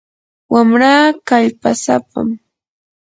wamraa kallpasapam.